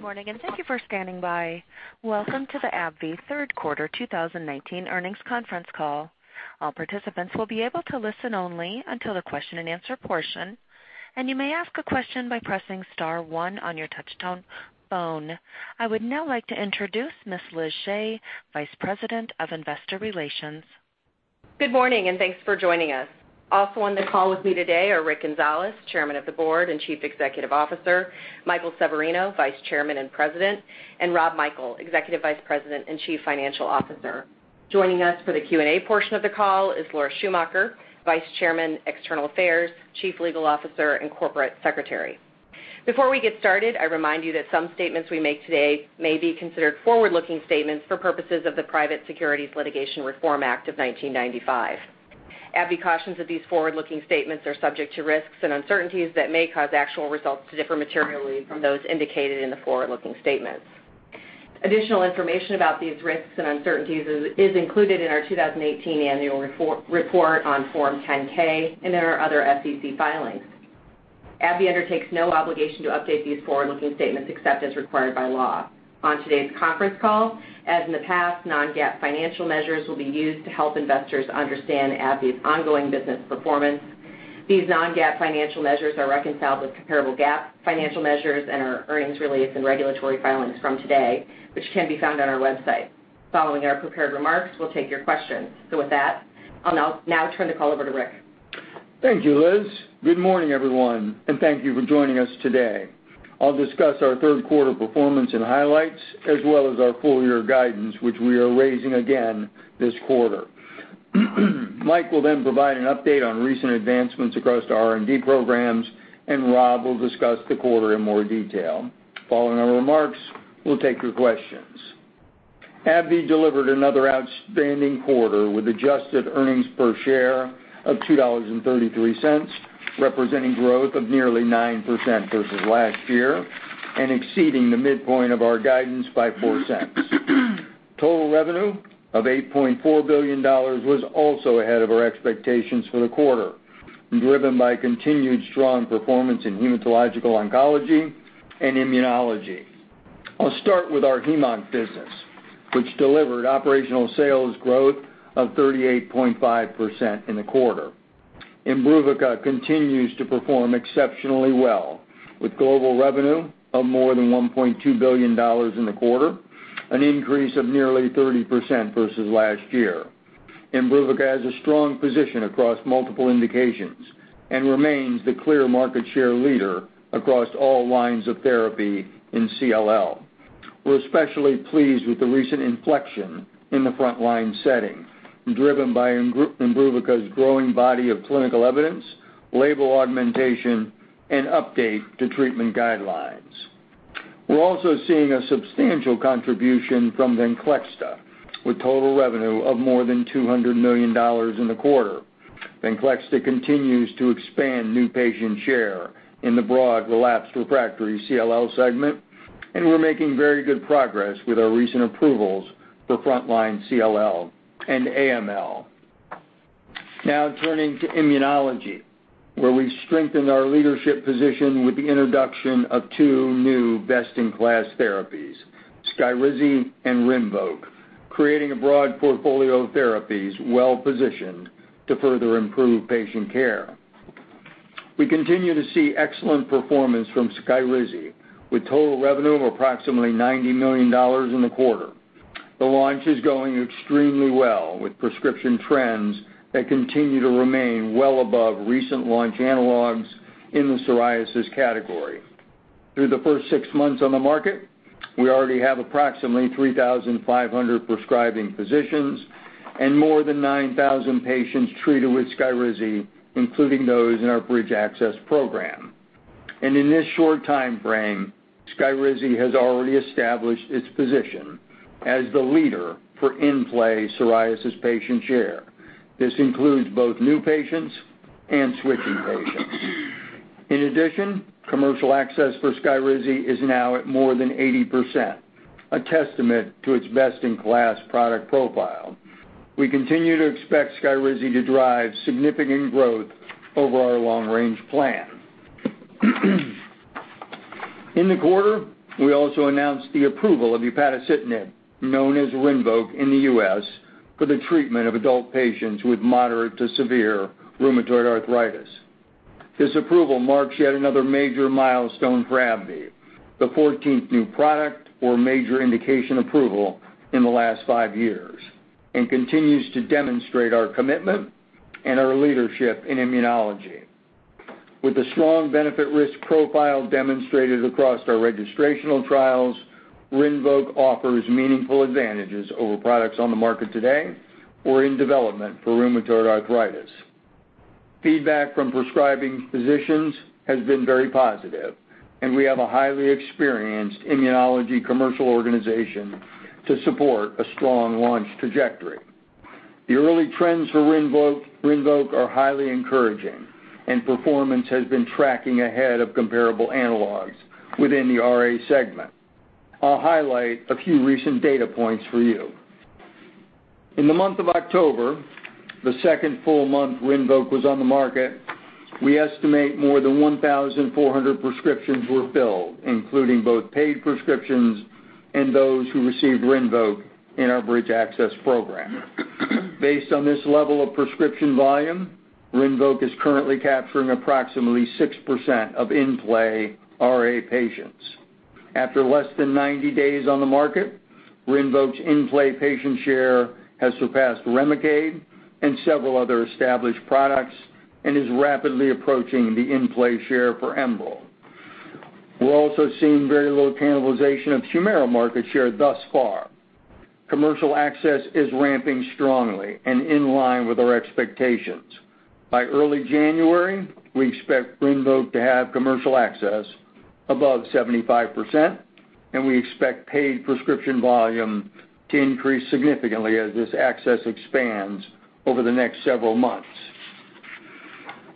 Good morning, and thank you for standing by. Welcome to the AbbVie Third Quarter 2019 earnings conference call. All participants will be able to listen only until the question and answer portion, and you may ask a question by pressing star one on your touchtone phone. I would now like to introduce Ms. Elizabeth Shea, Vice President of Investor Relations. Good morning, and thanks for joining us. Also on the call with me today are Rick Gonzalez, Chairman of the Board and Chief Executive Officer; Michael Severino, Vice Chairman and President; and Rob Michael, Executive Vice President and Chief Financial Officer. Joining us for the Q&A portion of the call is Laura Schumacher, Vice Chairman, External Affairs, Chief Legal Officer, and Corporate Secretary. Before we get started, I remind you that some statements we make today may be considered forward-looking statements for purposes of the Private Securities Litigation Reform Act of 1995. AbbVie cautions that these forward-looking statements are subject to risks and uncertainties that may cause actual results to differ materially from those indicated in the forward-looking statements. Additional information about these risks and uncertainties is included in our 2018 annual report on Form 10-K and in our other SEC filings. AbbVie undertakes no obligation to update these forward-looking statements except as required by law. On today's conference call, as in the past, non-GAAP financial measures will be used to help investors understand AbbVie's ongoing business performance. These non-GAAP financial measures are reconciled with comparable GAAP financial measures in our earnings release and regulatory filings from today, which can be found on our website. Following our prepared remarks, we'll take your questions. So with that, I'll now turn the call over to Rick. Thank you, Liz. Good morning, everyone, and thank you for joining us today. I'll discuss our third quarter performance and highlights as well as our full-year guidance, which we are raising again this quarter. Mike will then provide an update on recent advancements across our R&D programs, and Rob will discuss the quarter in more detail. Following our remarks, we'll take your questions. AbbVie delivered another outstanding quarter with adjusted earnings per share of $2.33, representing growth of nearly 9% versus last year and exceeding the midpoint of our guidance by $0.04. Total revenue of $8.4 billion was also ahead of our expectations for the quarter, driven by continued strong performance in hematological oncology and immunology. I'll start with our HemOnc business, which delivered operational sales growth of 38.5% in the quarter. IMBRUVICA continues to perform exceptionally well with global revenue of more than $1.2 billion in the quarter, an increase of nearly 30% versus last year. IMBRUVICA has a strong position across multiple indications and remains the clear market share leader across all lines of therapy in CLL. We're especially pleased with the recent inflection in the front-line setting, driven by IMBRUVICA's growing body of clinical evidence, label augmentation, and update to treatment guidelines. We're also seeing a substantial contribution from VENCLEXTA, with total revenue of more than $200 million in the quarter. VENCLEXTA continues to expand new patient share in the broad relapsed/refractory CLL segment, and we're making very good progress with our recent approvals for front-line CLL and AML. Turning to immunology, where we strengthened our leadership position with the introduction of two new best-in-class therapies, SKYRIZI and RINVOQ, creating a broad portfolio of therapies well-positioned to further improve patient care. We continue to see excellent performance from SKYRIZI, with total revenue of approximately $90 million in the quarter. The launch is going extremely well, with prescription trends that continue to remain well above recent launch analogs in the psoriasis category. Through the first six months on the market, we already have approximately 3,500 prescribing physicians and more than 9,000 patients treated with SKYRIZI, including those in our Bridge Access Program. In this short timeframe, SKYRIZI has already established its position as the leader for in-play psoriasis patient share. This includes both new patients and switching patients. In addition, commercial access for SKYRIZI is now at more than 80%, a testament to its best-in-class product profile. We continue to expect SKYRIZI to drive significant growth over our long-range plan. In the quarter, we also announced the approval of upadacitinib, known as RINVOQ in the U.S., for the treatment of adult patients with moderate to severe rheumatoid arthritis. This approval marks yet another major milestone for AbbVie, the 14th new product or major indication approval in the last five years and continues to demonstrate our commitment and our leadership in immunology. With a strong benefit/risk profile demonstrated across our registrational trials, RINVOQ offers meaningful advantages over products on the market today or in development for rheumatoid arthritis. Feedback from prescribing physicians has been very positive. We have a highly experienced immunology commercial organization to support a strong launch trajectory. The early trends for RINVOQ are highly encouraging. Performance has been tracking ahead of comparable analogs within the RA segment. I'll highlight a few recent data points for you. In the month of October, the second full month RINVOQ was on the market, we estimate more than 1,400 prescriptions were filled, including both paid prescriptions and those who received RINVOQ in our Bridge Access Program. Based on this level of prescription volume, RINVOQ is currently capturing approximately 6% of in-play RA patients. After less than 90 days on the market, RINVOQ's in-play patient share has surpassed REMICADE and several other established products, and is rapidly approaching the in-play share for Enbrel. We're also seeing very little cannibalization of HUMIRA market share thus far. Commercial access is ramping strongly and in line with our expectations. By early January, we expect RINVOQ to have commercial access above 75%, and we expect paid prescription volume to increase significantly as this access expands over the next several months.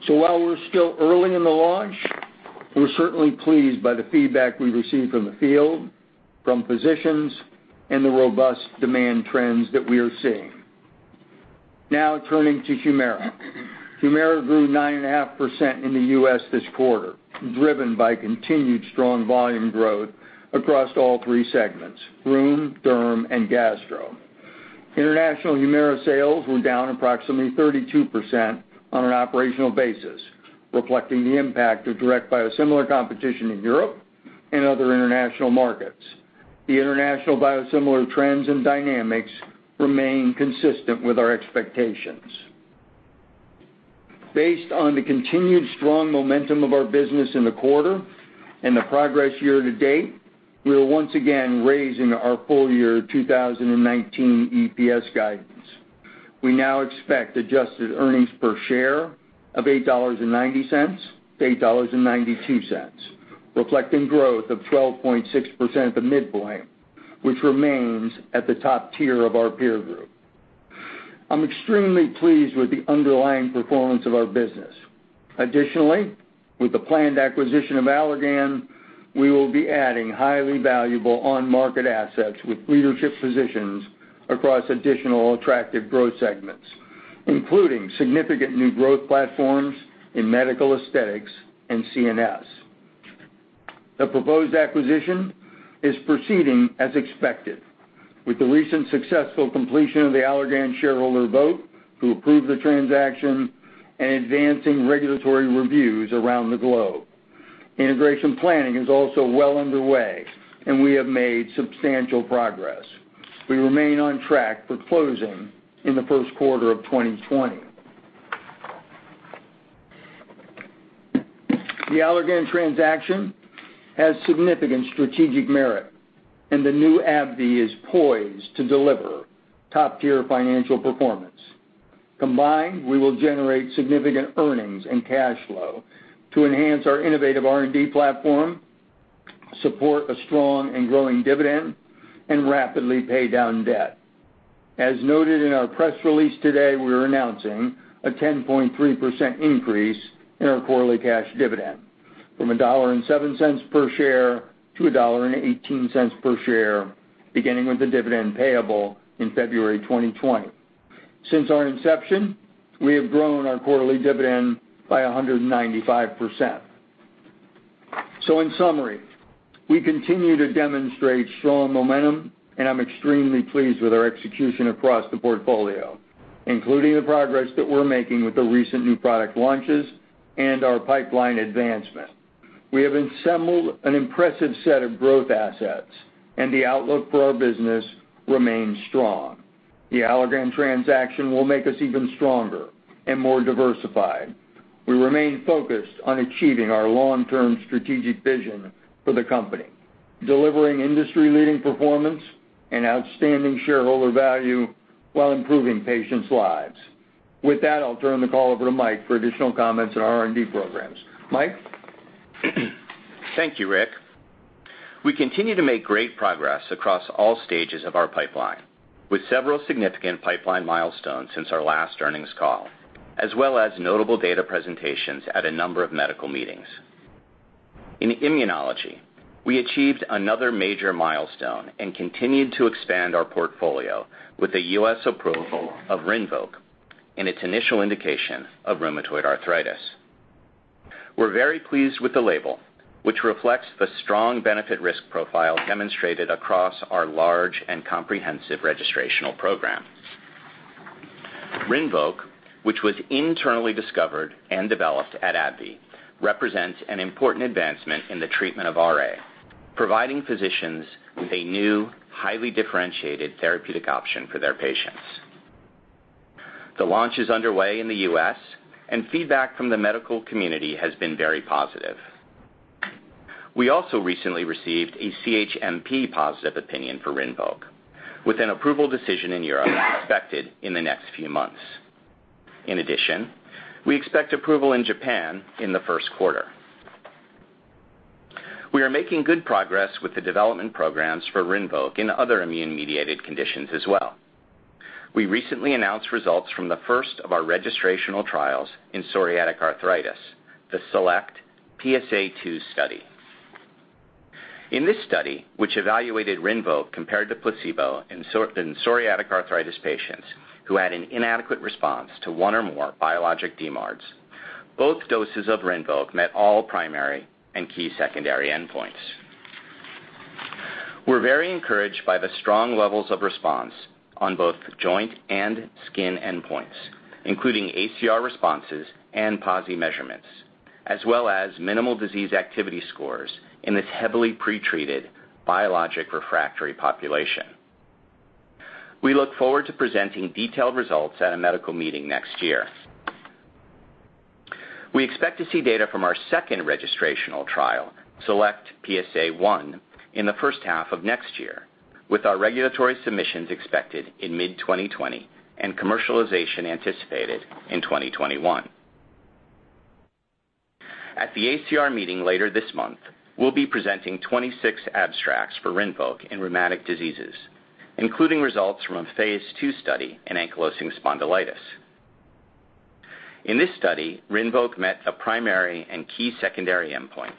While we're still early in the launch, we're certainly pleased by the feedback we received from the field, from physicians, and the robust demand trends that we are seeing. Now turning to HUMIRA. HUMIRA grew 9.5% in the U.S. this quarter, driven by continued strong volume growth across all three segments: rheum, derm, and gastro. International HUMIRA sales were down approximately 32% on an operational basis, reflecting the impact of direct biosimilar competition in Europe and other international markets. The international biosimilar trends and dynamics remain consistent with our expectations. Based on the continued strong momentum of our business in the quarter and the progress year to date, we are once again raising our full year 2019 EPS guidance. We now expect adjusted earnings per share of $8.90-$8.92, reflecting growth of 12.6% at the midpoint, which remains at the top tier of our peer group. I'm extremely pleased with the underlying performance of our business. Additionally, with the planned acquisition of Allergan, we will be adding highly valuable on-market assets with leadership positions across additional attractive growth segments, including significant new growth platforms in medical aesthetics and CNS. The proposed acquisition is proceeding as expected, with the recent successful completion of the Allergan shareholder vote to approve the transaction and advancing regulatory reviews around the globe. Integration planning is also well underway, and we have made substantial progress. We remain on track for closing in the first quarter of 2020. The Allergan transaction has significant strategic merit, and the new AbbVie is poised to deliver top-tier financial performance. Combined, we will generate significant earnings and cash flow to enhance our innovative R&D platform, support a strong and growing dividend, and rapidly pay down debt. As noted in our press release today, we're announcing a 10.3% increase in our quarterly cash dividend from $1.07 per share to $1.18 per share, beginning with the dividend payable in February 2020. Since our inception, we have grown our quarterly dividend by 195%. In summary, we continue to demonstrate strong momentum, and I'm extremely pleased with our execution across the portfolio, including the progress that we're making with the recent new product launches and our pipeline advancement. We have assembled an impressive set of growth assets, and the outlook for our business remains strong. The Allergan transaction will make us even stronger and more diversified. We remain focused on achieving our long-term strategic vision for the company, delivering industry-leading performance and outstanding shareholder value while improving patients' lives. With that, I'll turn the call over to Mike for additional comments on our R&D programs. Mike? Thank you, Rick. We continue to make great progress across all stages of our pipeline, with several significant pipeline milestones since our last earnings call, as well as notable data presentations at a number of medical meetings. In immunology, we achieved another major milestone and continued to expand our portfolio with the U.S. approval of RINVOQ in its initial indication of rheumatoid arthritis. We're very pleased with the label, which reflects the strong benefit risk profile demonstrated across our large and comprehensive registrational program. RINVOQ, which was internally discovered and developed at AbbVie, represents an important advancement in the treatment of RA, providing physicians a new, highly differentiated therapeutic option for their patients. The launch is underway in the U.S. Feedback from the medical community has been very positive. We also recently received a CHMP positive opinion for RINVOQ, with an approval decision in Europe expected in the next few months. We expect approval in Japan in the first quarter. We are making good progress with the development programs for RINVOQ in other immune-mediated conditions as well. We recently announced results from the first of our registrational trials in psoriatic arthritis, the SELECT-PsA 2 study. In this study, which evaluated RINVOQ compared to placebo in psoriatic arthritis patients who had an inadequate response to one or more biologic DMARDs, both doses of RINVOQ met all primary and key secondary endpoints. We're very encouraged by the strong levels of response on both joint and skin endpoints, including ACR responses and PASI measurements, as well as minimal disease activity scores in this heavily pre-treated biologic-refractory population. We look forward to presenting detailed results at a medical meeting next year. We expect to see data from our second registrational trial, SELECT-PsA 1, in the first half of next year, with our regulatory submissions expected in mid-2020 and commercialization anticipated in 2021. At the ACR meeting later this month, we will be presenting 26 abstracts for RINVOQ in rheumatic diseases, including results from a phase II study in ankylosing spondylitis. In this study, RINVOQ met the primary and key secondary endpoints,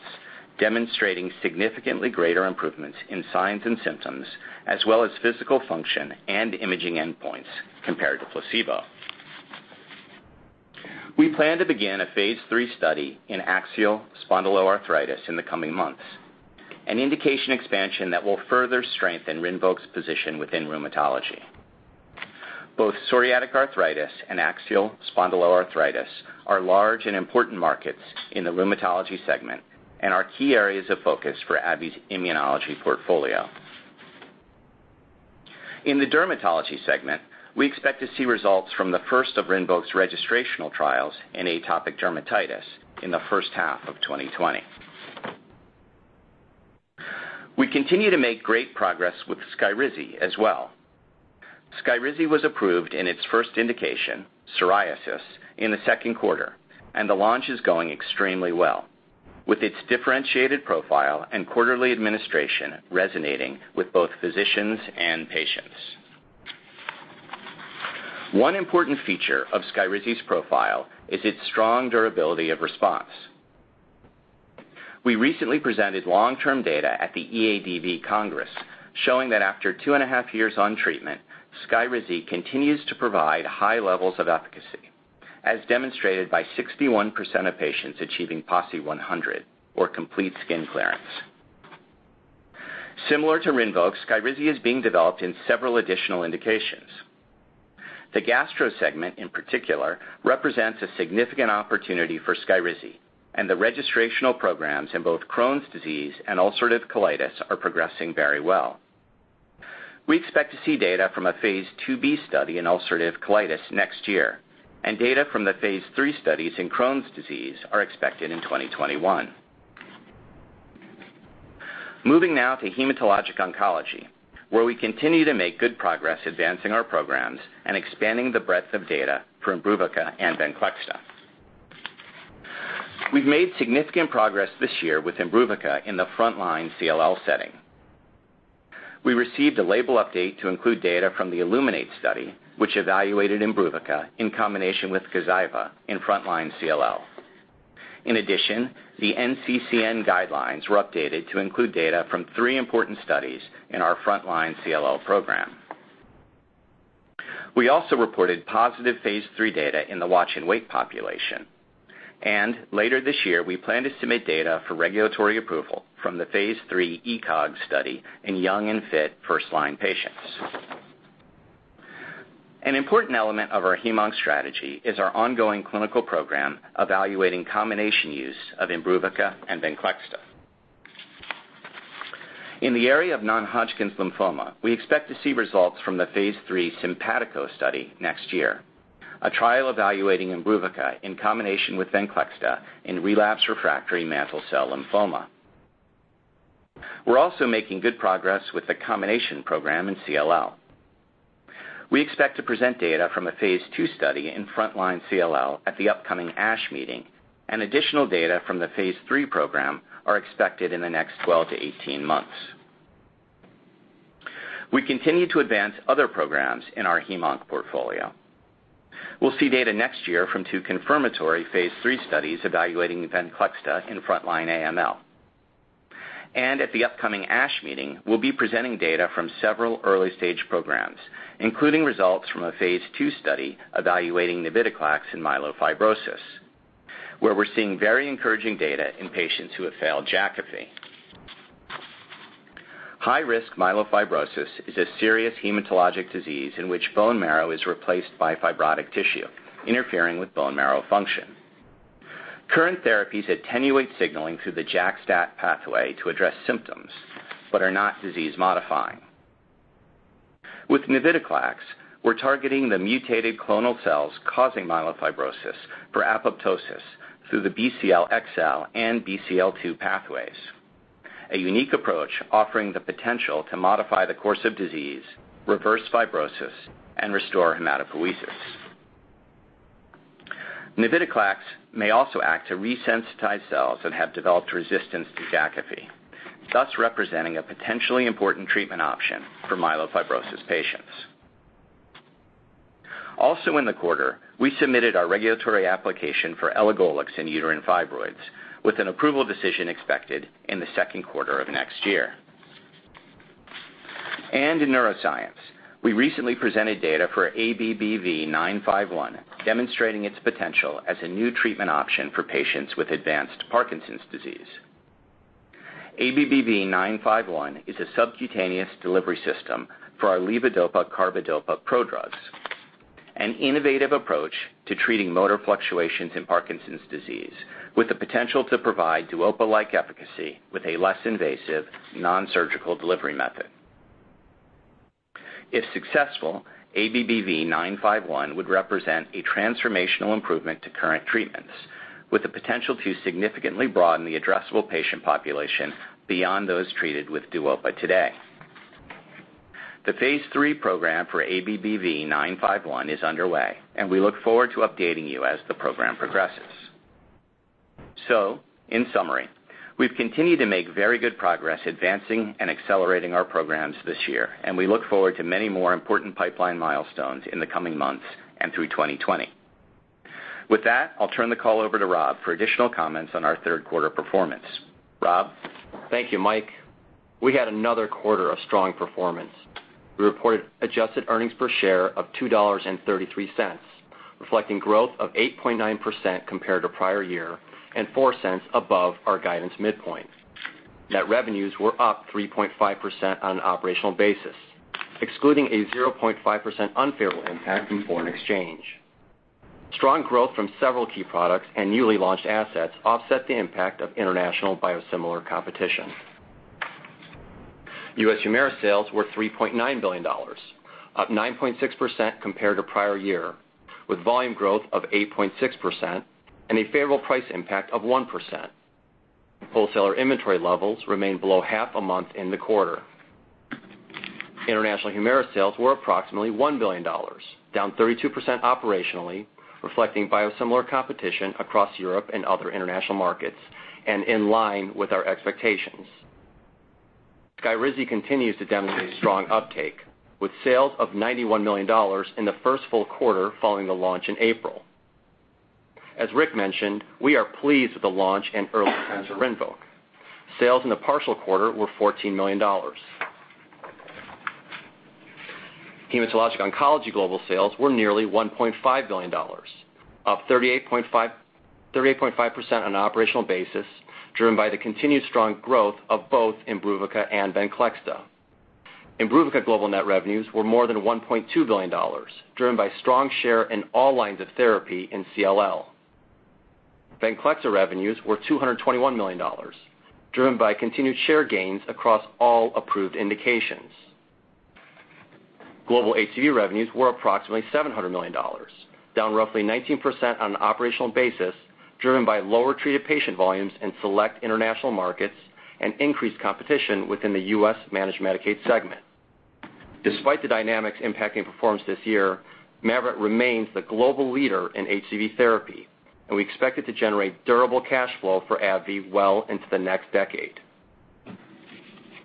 demonstrating significantly greater improvements in signs and symptoms, as well as physical function and imaging endpoints compared to placebo. We plan to begin a phase III study in axial spondyloarthritis in the coming months, an indication expansion that will further strengthen RINVOQ's position within rheumatology. Both psoriatic arthritis and axial spondyloarthritis are large and important markets in the rheumatology segment and are key areas of focus for AbbVie's immunology portfolio. In the dermatology segment, we expect to see results from the first of RINVOQ's registrational trials in atopic dermatitis in the first half of 2020. We continue to make great progress with SKYRIZI as well. SKYRIZI was approved in its first indication, psoriasis, in the second quarter. The launch is going extremely well, with its differentiated profile and quarterly administration resonating with both physicians and patients. One important feature of SKYRIZI's profile is its strong durability of response. We recently presented long-term data at the EADV Congress showing that after two and a half years on treatment, SKYRIZI continues to provide high levels of efficacy, as demonstrated by 61% of patients achieving PASI 100 or complete skin clearance. Similar to RINVOQ, SKYRIZI is being developed in several additional indications. The gastro segment, in particular, represents a significant opportunity for SKYRIZI, and the registrational programs in both Crohn's disease and ulcerative colitis are progressing very well. We expect to see data from a phase II-B study in ulcerative colitis next year, and data from the phase III studies in Crohn's disease are expected in 2021. Moving now to hematologic oncology, where we continue to make good progress advancing our programs and expanding the breadth of data for IMBRUVICA and VENCLEXTA. We've made significant progress this year with IMBRUVICA in the frontline CLL setting. We received a label update to include data from the iLLUMINATE study, which evaluated IMBRUVICA in combination with GAZYVA in frontline CLL. In addition, the NCCN guidelines were updated to include data from three important studies in our frontline CLL program. We also reported positive phase III data in the watch and wait population. Later this year, we plan to submit data for regulatory approval from the phase III ECOG study in young and fit first-line patients. An important element of our HemOnc strategy is our ongoing clinical program evaluating combination use of IMBRUVICA and VENCLEXTA. In the area of non-Hodgkin's lymphoma, we expect to see results from the phase III SYMPATICO study next year, a trial evaluating IMBRUVICA in combination with VENCLEXTA in relapsed/refractory mantle cell lymphoma. We are also making good progress with the combination program in CLL. We expect to present data from a phase II study in frontline CLL at the upcoming ASH Meeting. Additional data from the phase III program are expected in the next 12 to 18 months. We continue to advance other programs in our HemOnc portfolio. We'll see data next year from two confirmatory phase III studies evaluating VENCLEXTA in frontline AML. At the upcoming ASH meeting, we'll be presenting data from several early-stage programs, including results from a phase II study evaluating navitoclax in myelofibrosis, where we're seeing very encouraging data in patients who have failed Jakafi. High-risk myelofibrosis is a serious hematologic disease in which bone marrow is replaced by fibrotic tissue, interfering with bone marrow function. Current therapies attenuate signaling through the JAK/STAT pathway to address symptoms but are not disease-modifying. With navitoclax, we're targeting the mutated clonal cells causing myelofibrosis for apoptosis through the Bcl-xL and Bcl-2 pathways, a unique approach offering the potential to modify the course of disease, reverse fibrosis, and restore hematopoiesis. Navitoclax may also act to resensitize cells that have developed resistance to Jakafi, thus representing a potentially important treatment option for myelofibrosis patients. In the quarter, we submitted our regulatory application for elagolix in uterine fibroids, with an approval decision expected in the second quarter of next year. In neuroscience, we recently presented data for ABBV-951 demonstrating its potential as a new treatment option for patients with advanced Parkinson's disease. ABBV-951 is a subcutaneous delivery system for our levodopa carbidopa prodrugs, an innovative approach to treating motor fluctuations in Parkinson's disease, with the potential to provide Duopa-like efficacy with a less invasive, non-surgical delivery method. If successful, ABBV-951 would represent a transformational improvement to current treatments, with the potential to significantly broaden the addressable patient population beyond those treated with Duopa today. The phase III program for ABBV-951 is underway. We look forward to updating you as the program progresses. In summary, we've continued to make very good progress advancing and accelerating our programs this year. We look forward to many more important pipeline milestones in the coming months and through 2020. With that, I'll turn the call over to Rob for additional comments on our third quarter performance. Rob? Thank you, Mike. We had another quarter of strong performance. We reported adjusted earnings per share of $2.33, reflecting growth of 8.9% compared to prior year and $0.04 above our guidance midpoint. Net revenues were up 3.5% on an operational basis, excluding a 0.5% unfavorable impact from foreign exchange. Strong growth from several key products and newly launched assets offset the impact of international biosimilar competition. U.S. HUMIRA sales were $3.9 billion, up 9.6% compared to prior year, with volume growth of 8.6% and a favorable price impact of 1%. Wholesaler inventory levels remained below half a month in the quarter. International HUMIRA sales were approximately $1 billion, down 32% operationally, reflecting biosimilar competition across Europe and other international markets, and in line with our expectations. SKYRIZI continues to demonstrate strong uptake, with sales of $91 million in the first full quarter following the launch in April. As Rick mentioned, we are pleased with the launch and early trends of RINVOQ. Sales in the partial quarter were $14 million. Hematologic oncology global sales were nearly $1.5 billion, up 38.5% on an operational basis, driven by the continued strong growth of both IMBRUVICA and VENCLEXTA. IMBRUVICA global net revenues were more than $1.2 billion, driven by strong share in all lines of therapy in CLL. VENCLEXTA revenues were $221 million, driven by continued share gains across all approved indications. Global HCV revenues were approximately $700 million, down roughly 19% on an operational basis, driven by lower treated patient volumes in select international markets and increased competition within the U.S. Managed Medicaid segment. Despite the dynamics impacting performance this year, MAVYRET remains the global leader in HCV therapy, and we expect it to generate durable cash flow for AbbVie well into the next decade.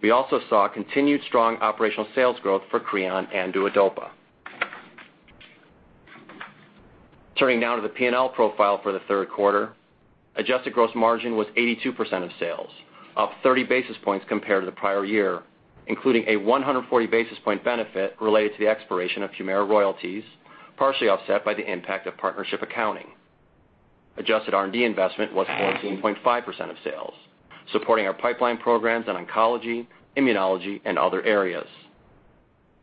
We also saw continued strong operational sales growth for CREON and DUOPA. Turning now to the P&L profile for the third quarter. Adjusted gross margin was 82% of sales, up 30 basis points compared to the prior year, including a 140-basis-point benefit related to the expiration of HUMIRA royalties, partially offset by the impact of partnership accounting. Adjusted R&D investment was 14.5% of sales, supporting our pipeline programs in oncology, immunology and other areas.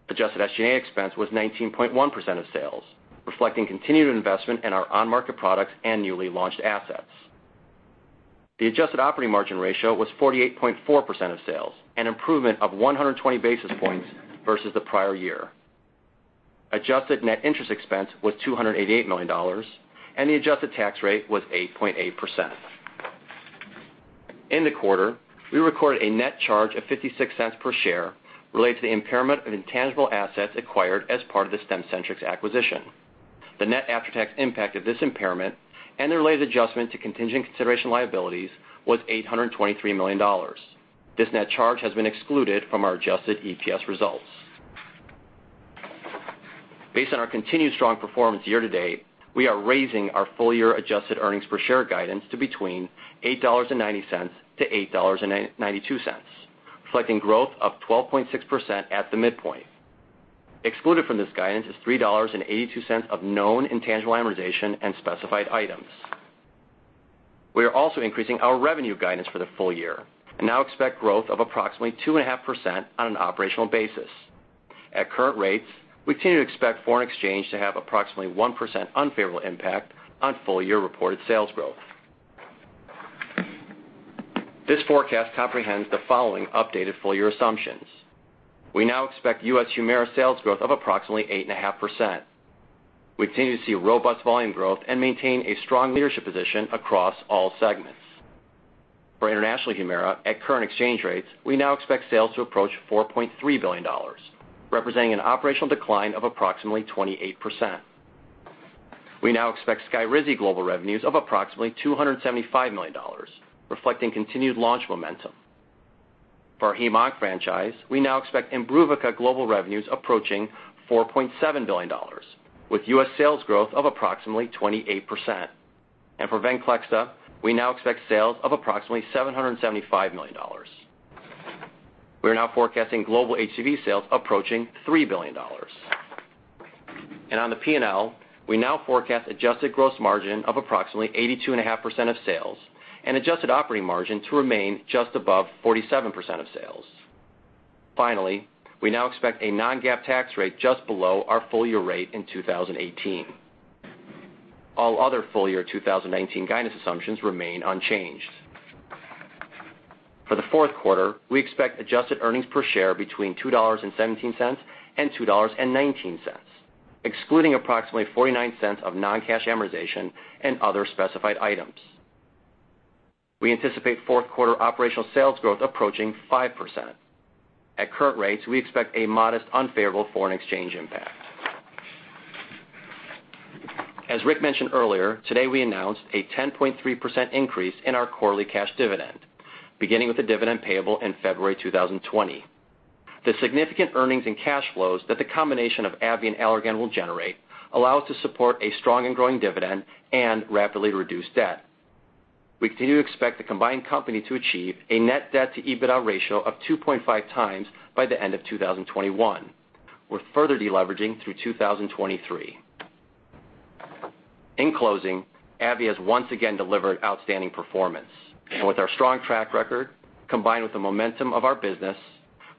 Adjusted SG&A expense was 19.1% of sales, reflecting continued investment in our on-market products and newly launched assets. The adjusted operating margin ratio was 48.4% of sales, an improvement of 120 basis points versus the prior year. Adjusted net interest expense was $288 million, and the adjusted tax rate was 8.8%. In the quarter, we recorded a net charge of $0.56 per share related to the impairment of intangible assets acquired as part of the Stemcentrx acquisition. The net after-tax impact of this impairment and the related adjustment to contingent consideration liabilities was $823 million. This net charge has been excluded from our adjusted EPS results. Based on our continued strong performance year to date, we are raising our full-year adjusted earnings per share guidance to between $8.90-$8.92, reflecting growth of 12.6% at the midpoint. Excluded from this guidance is $3.82 of known intangible amortization and specified items. We are also increasing our revenue guidance for the full-year and now expect growth of approximately 2.5% on an operational basis. At current rates, we continue to expect foreign exchange to have approximately 1% unfavorable impact on full-year reported sales growth. This forecast comprehends the following updated full-year assumptions. We now expect U.S. HUMIRA sales growth of approximately 8.5%. We continue to see robust volume growth and maintain a strong leadership position across all segments. For international HUMIRA, at current exchange rates, we now expect sales to approach $4.3 billion, representing an operational decline of approximately 28%. We now expect SKYRIZI global revenues of approximately $275 million, reflecting continued launch momentum. For our HemOnc franchise, we now expect IMBRUVICA global revenues approaching $4.7 billion, with U.S. sales growth of approximately 28%. For VENCLEXTA, we now expect sales of approximately $775 million. We are now forecasting global HCV sales approaching $3 billion. On the P&L, we now forecast adjusted gross margin of approximately 82.5% of sales and adjusted operating margin to remain just above 47% of sales. Finally, we now expect a non-GAAP tax rate just below our full-year rate in 2018. All other full-year 2019 guidance assumptions remain unchanged. For the fourth quarter, we expect adjusted earnings per share between $2.17 and $2.19, excluding approximately $0.49 of non-cash amortization and other specified items. We anticipate fourth quarter operational sales growth approaching 5%. At current rates, we expect a modest unfavorable foreign exchange impact. As Rick mentioned earlier, today we announced a 10.3% increase in our quarterly cash dividend, beginning with the dividend payable in February 2020. The significant earnings and cash flows that the combination of AbbVie and Allergan will generate allow us to support a strong and growing dividend and rapidly reduce debt. We continue to expect the combined company to achieve a net debt to EBITDA ratio of 2.5 times by the end of 2021. We're further deleveraging through 2023. In closing, AbbVie has once again delivered outstanding performance. With our strong track record, combined with the momentum of our business,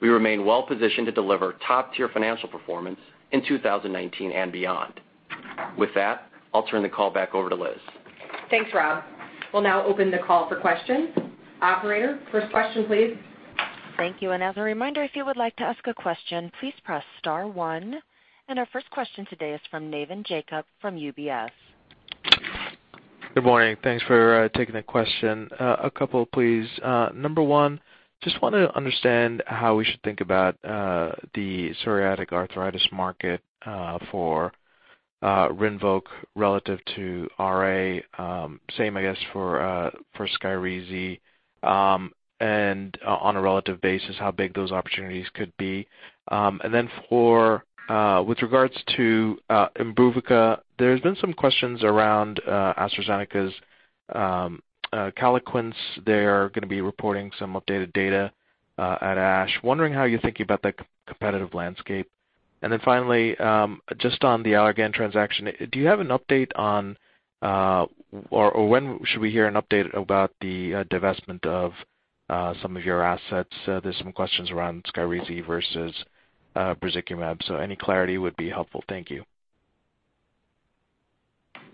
we remain well-positioned to deliver top-tier financial performance in 2019 and beyond. With that, I'll turn the call back over to Liz. Thanks, Rob. We'll now open the call for questions. Operator, first question, please. Thank you. As a reminder, if you would like to ask a question, please press star 1. Our first question today is from Navin Jacob from UBS. Good morning. Thanks for taking the question. A couple, please. Number one, just want to understand how we should think about the psoriatic arthritis market for RINVOQ relative to RA. Same, I guess, for SKYRIZI. On a relative basis, how big those opportunities could be. Then with regards to IMBRUVICA, there's been some questions around AstraZeneca's CALQUENCE. They're going to be reporting some updated data at ASH. Wondering how you're thinking about the competitive landscape. Then finally, just on the Allergan transaction, do you have an update on or when should we hear an update about the divestment of some of your assets? There's some questions around SKYRIZI versus brazikumab. Any clarity would be helpful. Thank you.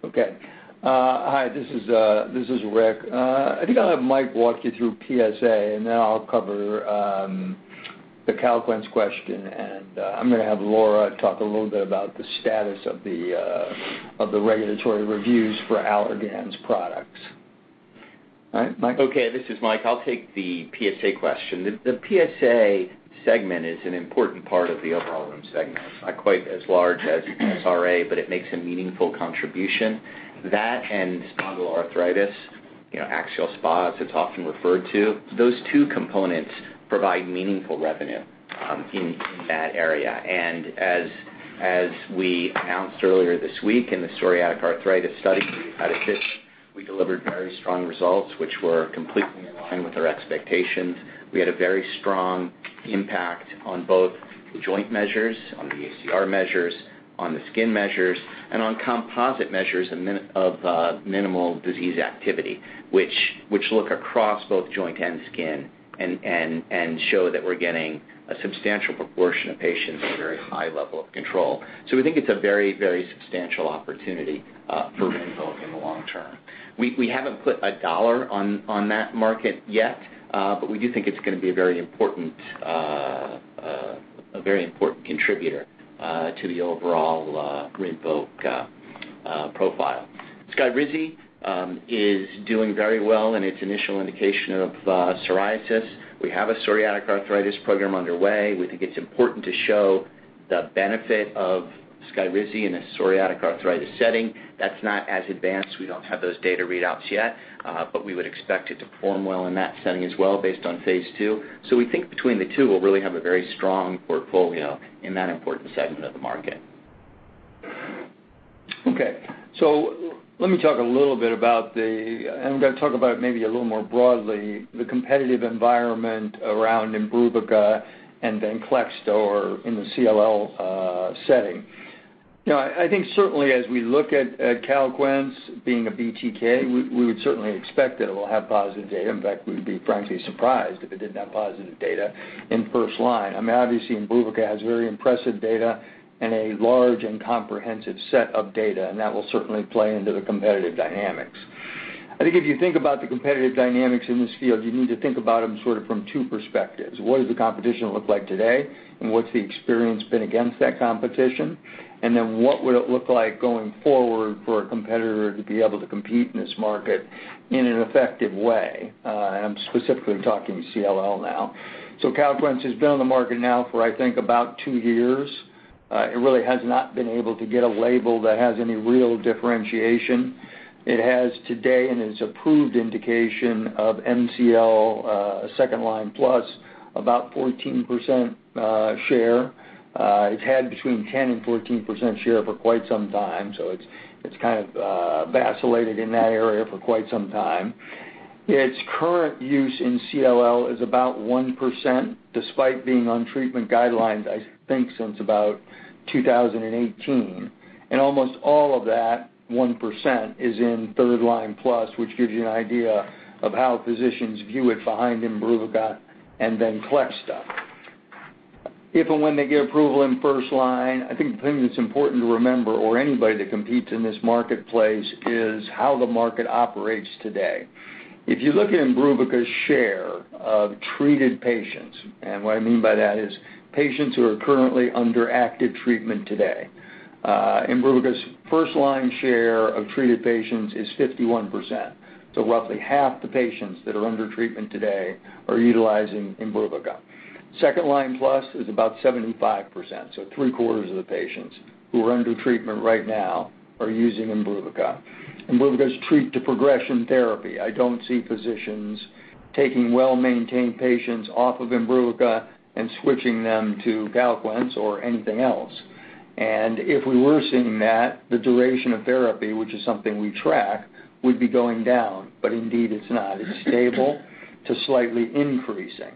Okay. Hi, this is Rick. I think I'll have Mike walk you through PSA, and then I'll cover the CALQUENCE question, and I'm going to have Laura talk a little bit about the status of the regulatory reviews for Allergan's products. All right, Mike? Okay, this is Mike. I'll take the PSA question. The PSA segment is an important part of the overall Rhum segment. Not quite as large as RA, but it makes a meaningful contribution. That and spondyloarthritis, axial SpA as it's often referred to, those two components provide meaningful revenue in that area. As we announced earlier this week in the psoriatic arthritis study, ADCICT, we delivered very strong results, which were completely in line with our expectations. We had a very strong impact on both the joint measures, on the ACR measures, on the skin measures, and on composite measures of minimal disease activity, which look across both joint and skin and show that we're getting a substantial proportion of patients with a very high level of control. We think it's a very substantial opportunity for RINVOQ in the long term. We haven't put a dollar on that market yet, but we do think it's going to be a very important contributor to the overall RINVOQ profile. SKYRIZI is doing very well in its initial indication of psoriasis. We have a psoriatic arthritis program underway. We think it's important to show the benefit of SKYRIZI in a psoriatic arthritis setting. That's not as advanced. We don't have those data readouts yet, but we would expect it to perform well in that setting as well based on phase II. We think between the two, we'll really have a very strong portfolio in that important segment of the market. Okay, I'm going to talk about maybe a little more broadly, the competitive environment around IMBRUVICA and VENCLEXTA or in the CLL setting. I think certainly as we look at CALQUENCE being a BTK, we would certainly expect that it will have positive data. In fact, we'd be frankly surprised if it didn't have positive data in first line. Obviously IMBRUVICA has very impressive data and a large and comprehensive set of data, that will certainly play into the competitive dynamics. I think if you think about the competitive dynamics in this field, you need to think about them sort of from two perspectives. What does the competition look like today, what's the experience been against that competition? What would it look like going forward for a competitor to be able to compete in this market in an effective way? I'm specifically talking CLL now. CALQUENCE has been on the market now for I think about two years. It really has not been able to get a label that has any real differentiation. It has today, in its approved indication of MCL second-line plus, about 14% share. It's had between 10% and 14% share for quite some time. It's kind of vacillated in that area for quite some time. Its current use in CLL is about 1%, despite being on treatment guidelines, I think since about 2018. Almost all of that 1% is in third-line plus, which gives you an idea of how physicians view it behind IMBRUVICA and then VENCLEXTA. If and when they get approval in first line, I think the thing that's important to remember, or anybody that competes in this marketplace, is how the market operates today. If you look at IMBRUVICA's share of treated patients, what I mean by that is patients who are currently under active treatment today, IMBRUVICA's first-line share of treated patients is 51%. Roughly half the patients that are under treatment today are utilizing IMBRUVICA. Second-line plus is about 75%, three-quarters of the patients who are under treatment right now are using IMBRUVICA. IMBRUVICA is treat to progression therapy. I don't see physicians taking well-maintained patients off of IMBRUVICA and switching them to CALQUENCE or anything else. If we were seeing that, the duration of therapy, which is something we track, would be going down. Indeed, it's not. It's stable to slightly increasing.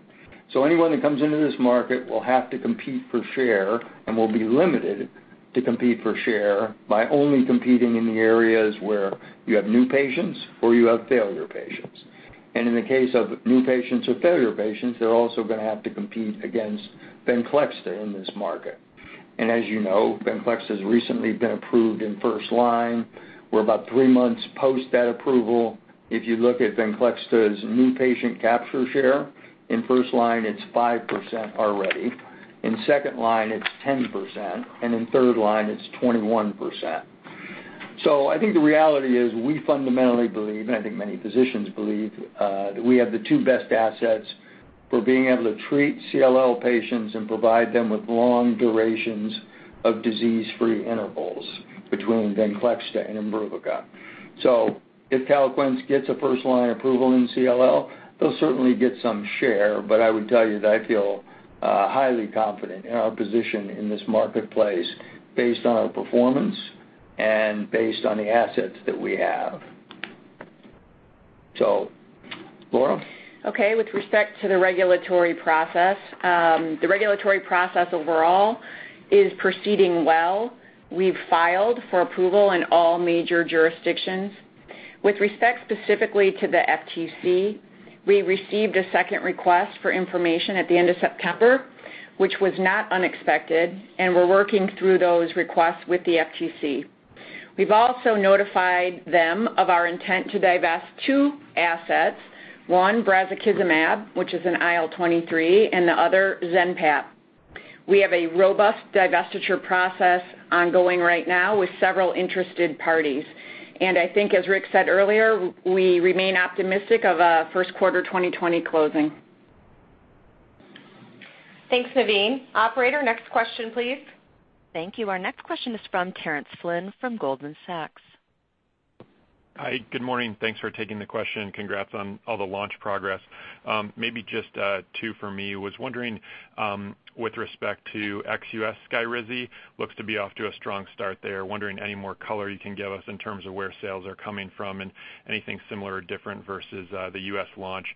Anyone that comes into this market will have to compete for share and will be limited to compete for share by only competing in the areas where you have new patients or you have failure patients. In the case of new patients or failure patients, they're also going to have to compete against VENCLEXTA in this market. As you know, VENCLEXTA has recently been approved in first line. We're about three months post that approval. If you look at VENCLEXTA's new patient capture share, in first line, it's 5% already. In second line, it's 10%, and in third line, it's 21%. I think the reality is we fundamentally believe, and I think many physicians believe, that we have the two best assets for being able to treat CLL patients and provide them with long durations of disease-free intervals between VENCLEXTA and IMBRUVICA. If CALQUENCE gets a first-line approval in CLL, they'll certainly get some share, but I would tell you that I feel highly confident in our position in this marketplace based on our performance and based on the assets that we have. Laura? Okay. With respect to the regulatory process, the regulatory process overall is proceeding well. We've filed for approval in all major jurisdictions. With respect specifically to the FTC, we received a second request for information at the end of September, which was not unexpected, and we're working through those requests with the FTC. We've also notified them of our intent to divest two assets, one, brazikumab, which is an IL-23, and the other, Zenpep. We have a robust divestiture process ongoing right now with several interested parties. I think as Rick said earlier, we remain optimistic of a first quarter 2020 closing. Thanks, Navin. Operator, next question, please. Thank you. Our next question is from Terence Flynn from Goldman Sachs. Hi, good morning. Thanks for taking the question. Congrats on all the launch progress. Maybe just two for me. Was wondering with respect to ex-U.S. SKYRIZI, looks to be off to a strong start there. Wondering any more color you can give us in terms of where sales are coming from and anything similar or different versus the U.S. launch.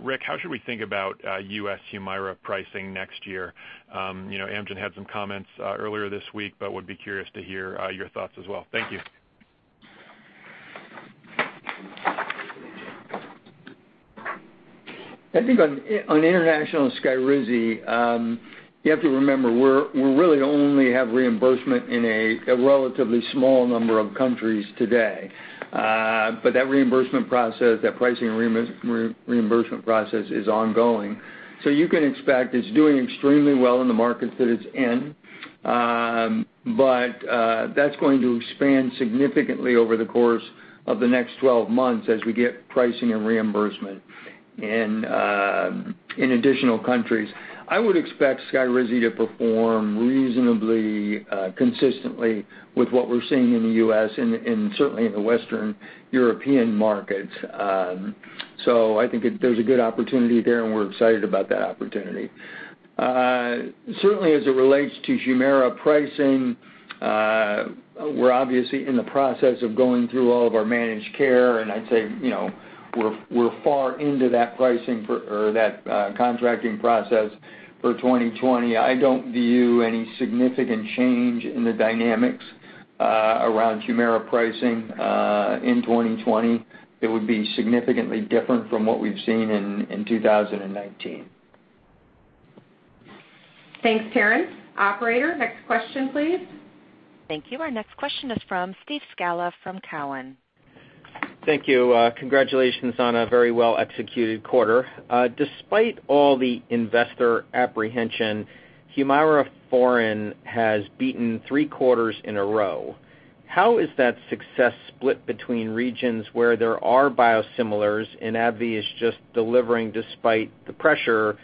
Rick, how should we think about U.S. HUMIRA pricing next year? Amgen had some comments earlier this week, but would be curious to hear your thoughts as well. Thank you. I think on international SKYRIZI, you have to remember we really only have reimbursement in a relatively small number of countries today. That pricing and reimbursement process is ongoing. You can expect it's doing extremely well in the markets that it's in, but that's going to expand significantly over the course of the next 12 months as we get pricing and reimbursement in additional countries. I would expect SKYRIZI to perform reasonably consistently with what we're seeing in the U.S. and certainly in the Western European markets. I think there's a good opportunity there, and we're excited about that opportunity. Certainly as it relates to HUMIRA pricing, we're obviously in the process of going through all of our managed care, and I'd say we're far into that pricing for that contracting process for 2020. I don't view any significant change in the dynamics around HUMIRA pricing in 2020 that would be significantly different from what we've seen in 2019. Thanks, Terence. Operator, next question, please. Thank you. Our next question is from Steve Scala from Cowen. Thank you. Congratulations on a very well-executed quarter. Despite all the investor apprehension, HUMIRA foreign has beaten three quarters in a row. How is that success split between regions where there are biosimilars and AbbVie is just delivering despite the pressure?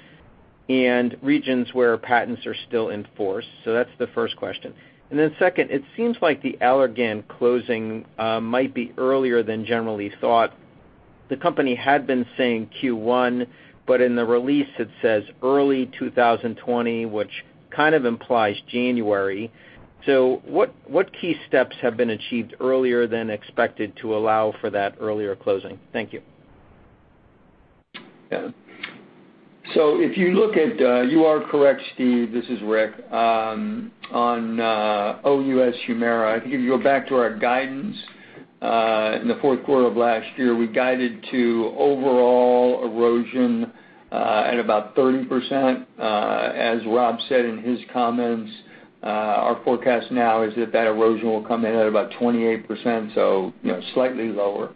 And regions where patents are still in force. That's the first question. Then second, it seems like the Allergan closing might be earlier than generally thought. The company had been saying Q1, but in the release it says early 2020, which kind of implies January. What key steps have been achieved earlier than expected to allow for that earlier closing? Thank you. You are correct, Steve. This is Rick. On OUS HUMIRA, I think if you go back to our guidance, in the fourth quarter of last year, we guided to overall erosion at about 30%. As Rob said in his comments, our forecast now is that erosion will come in at about 28%, so slightly lower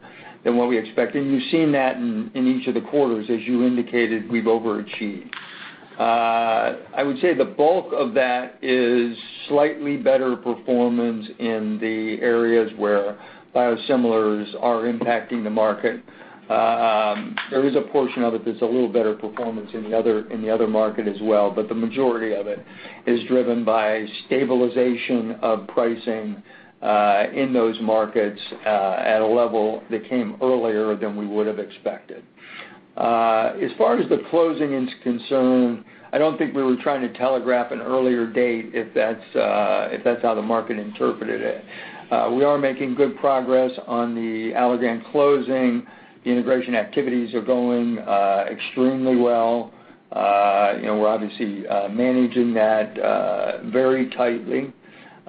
than what we expected, and you've seen that in each of the quarters, as you indicated, we've overachieved. I would say the bulk of that is slightly better performance in the areas where biosimilars are impacting the market. There is a portion of it that's a little better performance in the other market as well, the majority of it is driven by stabilization of pricing, in those markets, at a level that came earlier than we would have expected. As far as the closing is concerned, I don't think we were trying to telegraph an earlier date if that's how the market interpreted it. We are making good progress on the Allergan closing. The integration activities are going extremely well. We're obviously managing that very tightly.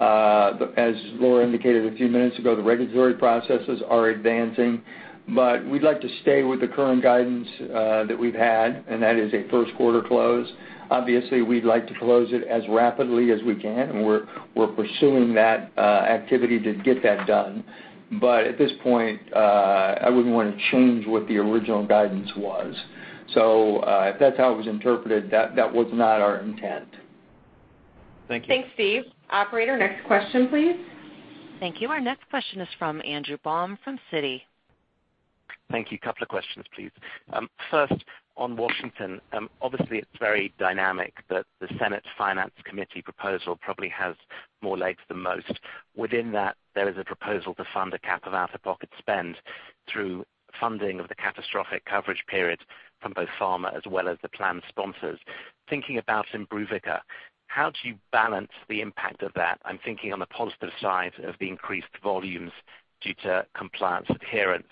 As Laura indicated a few minutes ago, the regulatory processes are advancing. We'd like to stay with the current guidance that we've had, and that is a first quarter close. Obviously, we'd like to close it as rapidly as we can, and we're pursuing that activity to get that done. At this point, I wouldn't want to change what the original guidance was. If that's how it was interpreted, that was not our intent. Thank you. Thanks, Steve. Operator, next question, please. Thank you. Our next question is from Andrew Baum from Citi. Thank you. Couple of questions, please. First, on Washington, obviously it's very dynamic that the Senate Finance Committee proposal probably has more legs than most. Within that, there is a proposal to fund a cap of out-of-pocket spend through funding of the catastrophic coverage period from both pharma as well as the plan sponsors. Thinking about IMBRUVICA, how do you balance the impact of that? I'm thinking on the positive side of the increased volumes due to compliance adherence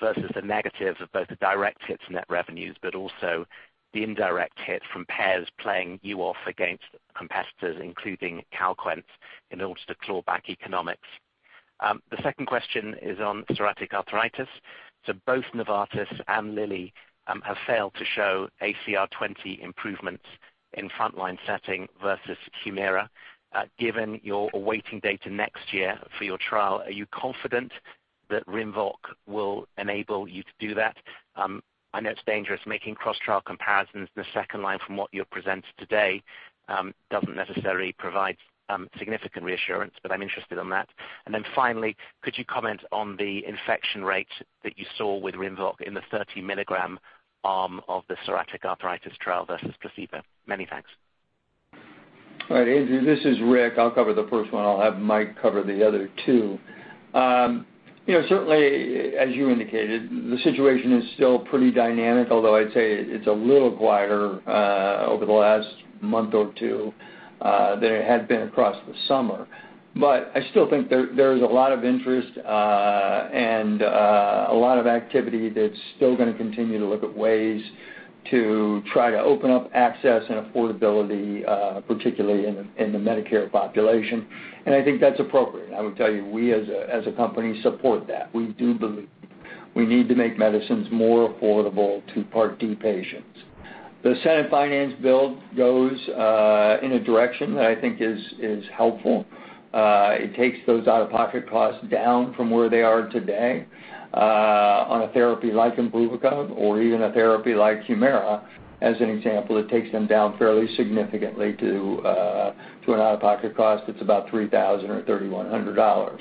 versus the negatives of both the direct hits net revenues, but also the indirect hit from payers playing you off against competitors, including CALQUENCE, in order to claw back economics. The second question is on psoriatic arthritis. Both Novartis and Lilly have failed to show ACR20 improvements in frontline setting versus HUMIRA. Given you're awaiting data next year for your trial, are you confident that RINVOQ will enable you to do that? I know it's dangerous making cross trial comparisons in the second line from what you have presented today, doesn't necessarily provide significant reassurance, but I'm interested on that. Finally, could you comment on the infection rate that you saw with RINVOQ in the 30 milligram arm of the psoriatic arthritis trial versus placebo? Many thanks. All right, Andrew. This is Rick. I'll cover the first one. I'll have Mike cover the other two. Certainly, as you indicated, the situation is still pretty dynamic, although I'd say it's a little quieter over the last month or two, than it had been across the summer. I still think there is a lot of interest, and a lot of activity that's still going to continue to look at ways to try to open up access and affordability, particularly in the Medicare population. I think that's appropriate. I would tell you, we, as a company, support that. We do believe we need to make medicines more affordable to Part D patients. The Senate Finance bill goes in a direction that I think is helpful. It takes those out-of-pocket costs down from where they are today on a therapy like IMBRUVICA or even a therapy like HUMIRA, as an example. It takes them down fairly significantly to an out-of-pocket cost that's about $3,000 or $3,100.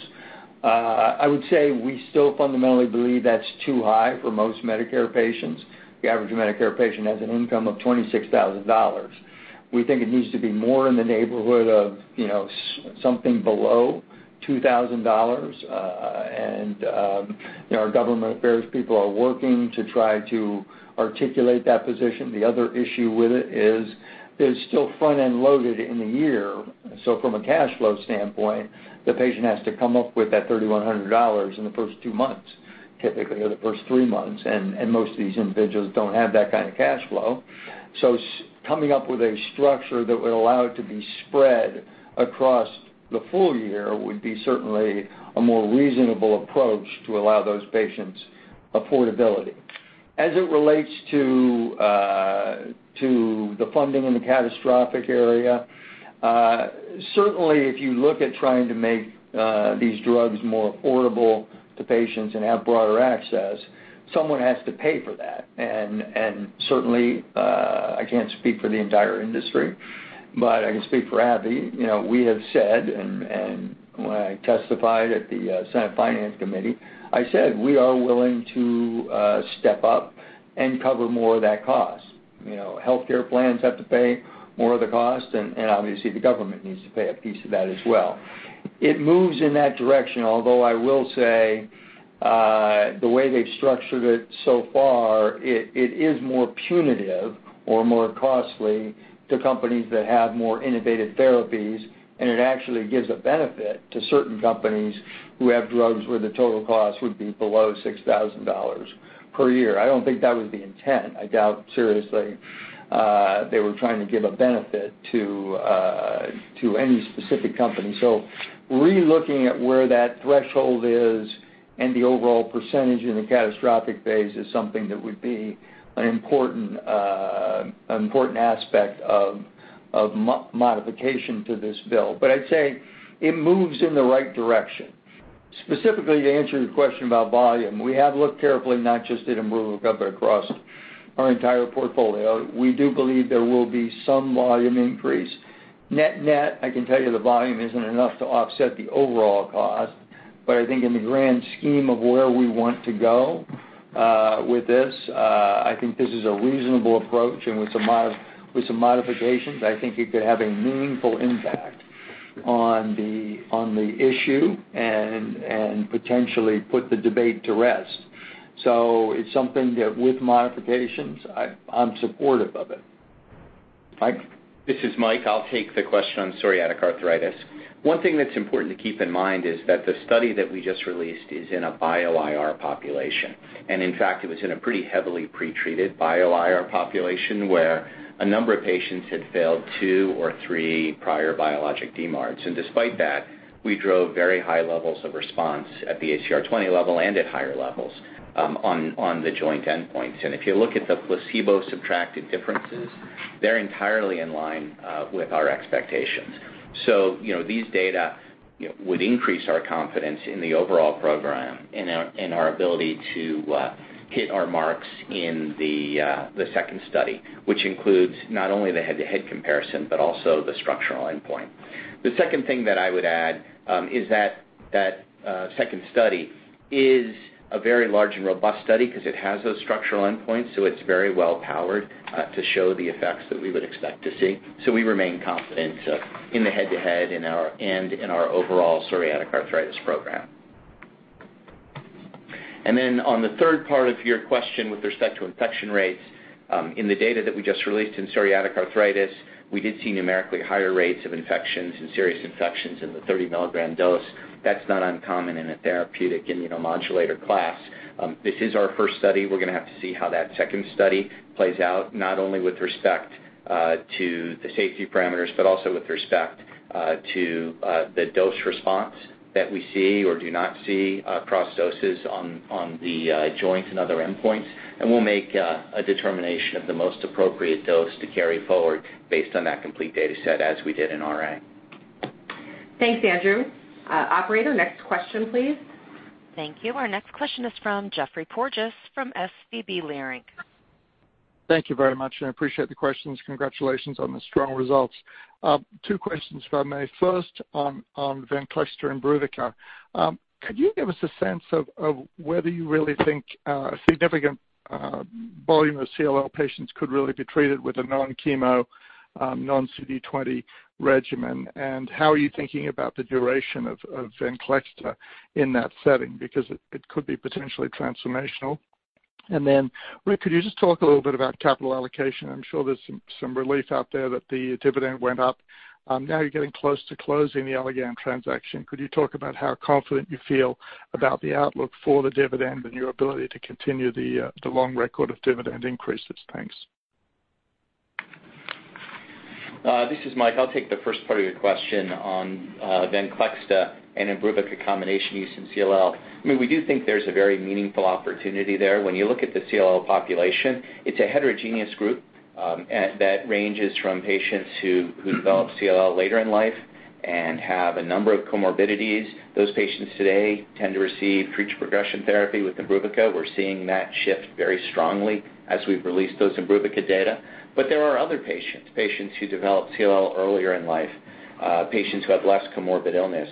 I would say we still fundamentally believe that's too high for most Medicare patients. The average Medicare patient has an income of $26,000. We think it needs to be more in the neighborhood of something below $2,000. Our government affairs people are working to try to articulate that position. The other issue with it is still front-end loaded in the year. From a cash flow standpoint, the patient has to come up with that $3,100 in the first two months, typically, or the first three months, and most of these individuals don't have that kind of cash flow. Coming up with a structure that would allow it to be spread across the full year would be certainly a more reasonable approach to allow those patients affordability. As it relates to the funding in the catastrophic area, certainly if you look at trying to make these drugs more affordable to patients and have broader access, someone has to pay for that. Certainly, I can't speak for the entire industry. I can speak for AbbVie. We have said, and when I testified at the Senate Finance Committee, I said we are willing to step up and cover more of that cost. Healthcare plans have to pay more of the cost, and obviously, the government needs to pay a piece of that as well. It moves in that direction, although I will say the way they've structured it so far, it is more punitive or more costly to companies that have more innovative therapies, and it actually gives a benefit to certain companies who have drugs where the total cost would be below $6,000 per year. I don't think that was the intent. I doubt seriously they were trying to give a benefit to any specific company. Re-looking at where that threshold is and the overall percentage in the catastrophic phase is something that would be an important aspect of modification to this bill. I'd say it moves in the right direction. Specifically, to answer your question about volume, we have looked carefully, not just at IMBRUVICA, but across our entire portfolio. We do believe there will be some volume increase. Net net, I can tell you the volume isn't enough to offset the overall cost. I think in the grand scheme of where we want to go with this, I think this is a reasonable approach, and with some modifications, I think it could have a meaningful impact on the issue and potentially put the debate to rest. It's something that with modifications, I'm supportive of it. Mike? This is Mike. I'll take the question on psoriatic arthritis. One thing that's important to keep in mind is that the study that we just released is in a Bio-IR population. In fact, it was in a pretty heavily pretreated Bio-IR population where a number of patients had failed two or three prior biologic DMARDs. Despite that, we drove very high levels of response at the ACR 20 level and at higher levels on the joint endpoints. If you look at the placebo-subtracted differences, they're entirely in line with our expectations. These data would increase our confidence in the overall program and our ability to hit our marks in the second study, which includes not only the head-to-head comparison but also the structural endpoint. The second thing that I would add is that that second study is a very large and robust study because it has those structural endpoints, it's very well powered to show the effects that we would expect to see. We remain confident in the head-to-head and in our overall psoriatic arthritis program. On the third part of your question with respect to infection rates, in the data that we just released in psoriatic arthritis, we did see numerically higher rates of infections and serious infections in the 30-milligram dose. That's not uncommon in a therapeutic immunomodulator class. This is our first study. We're going to have to see how that second study plays out, not only with respect to the safety parameters, but also with respect to the dose response that we see or do not see across doses on the joints and other endpoints. We'll make a determination of the most appropriate dose to carry forward based on that complete data set as we did in RA. Thanks, Andrew. Operator, next question, please. Thank you. Our next question is from Geoffrey Porges from SVB Leerink. Thank you very much, and I appreciate the questions. Congratulations on the strong results. Two questions, if I may. First, on VENCLEXTA and IMBRUVICA, could you give us a sense of whether you really think a significant volume of CLL patients could really be treated with a non-chemo, non-CD20 regimen? How are you thinking about the duration of VENCLEXTA in that setting? Because it could be potentially transformational. Then Rick, could you just talk a little bit about capital allocation? I'm sure there's some relief out there that the dividend went up. Now you're getting close to closing the Allergan transaction. Could you talk about how confident you feel about the outlook for the dividend and your ability to continue the long record of dividend increases? Thanks. This is Mike. I'll take the first part of your question on VENCLEXTA and IMBRUVICA combination use in CLL. We do think there's a very meaningful opportunity there. When you look at the CLL population, it's a heterogeneous group that ranges from patients who develop CLL later in life and have a number of comorbidities. Those patients today tend to receive pre-progression therapy with IMBRUVICA. We're seeing that shift very strongly as we've released those IMBRUVICA data. There are other patients who develop CLL earlier in life, patients who have less comorbid illness,